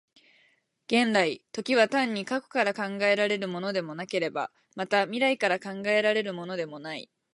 元来、時は単に過去から考えられるものでもなければ、また未来から考えられるものでもない。